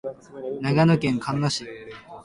長野県茅野市